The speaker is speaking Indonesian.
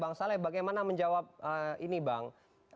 bang saleh bagaimana menjawab ini bang